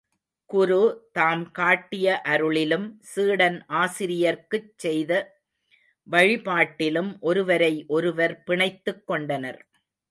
குரு தாம் காட்டிய அருளிலும், சீடன் ஆசிரியர்க்குச் செய்த வழிபாட்டிலும் ஒருவரை ஒருவர் பிணைத்துக் கொண்டனர்.